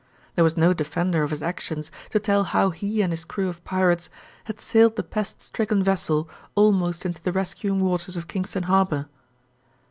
There was no defender of his actions to tell how he and his crew of pirates had sailed the pest stricken vessel almost into the rescuing waters of Kingston harbor.